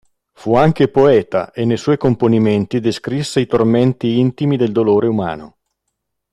Fu anche poeta e nei suoi componimenti descrisse i tormenti intimi del dolore umano.